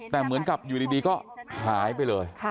แต่เหมือนกับอยู่ดีก็หายไปเลย